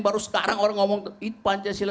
baru sekarang orang ngomong pancasila